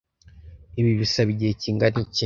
Ibi bisaba igihe kingana iki?